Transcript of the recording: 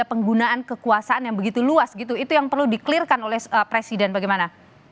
penggunaan kekuasaan yang begitu luas gitu itu yang perlu di clear kan oleh presiden bagaimana